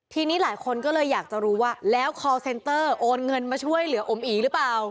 ทีนี้หลายคนก็เลยอยากจะรู้ว่าแล้วคอลเซนเตอร์โอนเงินมาช่วยเหลืออมอีหรือเปล่า